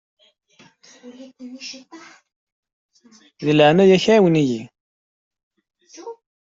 Di leɛnaya-k ɛawen-iyi.